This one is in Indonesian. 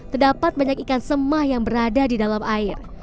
terdapat banyak ikan semah yang berada di dalam air